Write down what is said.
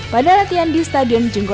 pada latihan di stadion jenggo